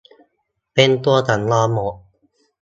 เป็นตัวสำรองหมด